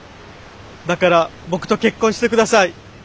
だから僕と結婚してください。